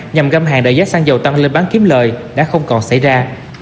nhằm găm hàng đợi giá xăng dầu tăng lên bán kiếm lời đã không còn xảy ra